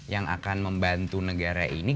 yang akan membantu negara ini